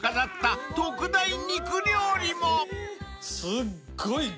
すっごい牛！